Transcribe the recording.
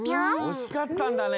おしかったんだね。